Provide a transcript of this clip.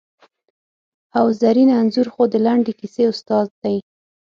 او زرین انځور خو د لنډې کیسې استاد دی!